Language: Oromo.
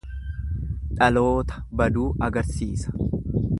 Dhaloota baduu agarsiisa.